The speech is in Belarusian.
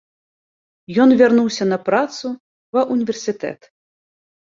Ён вярнуўся на працу ва ўніверсітэт.